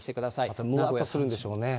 またむわっとするんでしょうね。